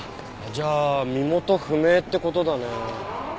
じゃあ身元不明って事だね。